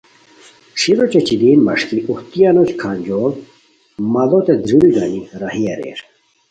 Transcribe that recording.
ݯھیر اوچے چیدین مݰکی اوہتی انوس کھانجوڑ ماڑوت دریل گانی راہی اریر